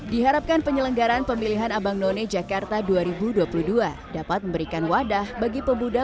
diharapkan penyelenggaran pemilihan abang none jakarta dua ribu dua puluh dua dapat memberikan wadah bagi pemuda